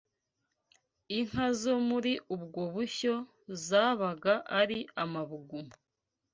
Inka zo muri ubwo bushyo zabagaari amabuguma